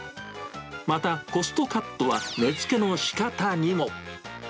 また、コストカットは値付けのしかたにも。